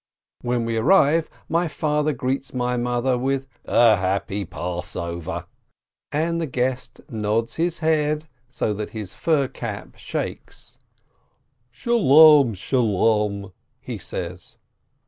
When we arrive, my father greets my mother with "a happy Passover !" and the guest nods his head so that his fur cap shakes. "Shalom ! Shalom !" he says.